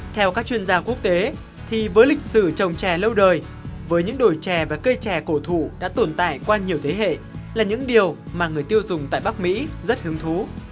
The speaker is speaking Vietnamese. theo các chuyên gia quốc tế thì với lịch sử trồng trè lâu đời với những đồi chè và cây chè cổ thụ đã tồn tại qua nhiều thế hệ là những điều mà người tiêu dùng tại bắc mỹ rất hứng thú